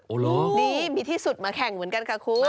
ดีมีที่สุดมาแข่งเหมือนกันค่ะคุณ